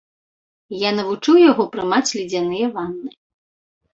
Я навучыў яго прымаць ледзяныя ванны.